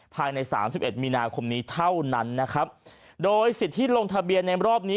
ภายในสามสิบเอ็ดมีนาคมนี้เท่านั้นนะครับโดยสิทธิลงทะเบียนในรอบนี้